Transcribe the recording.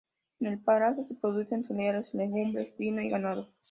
En el paraje se producen cereales, legumbres, vino y ganado.